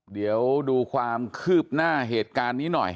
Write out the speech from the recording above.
เดี๋ยวดูความคืบหน้าเหตุการณ์นี้หน่อย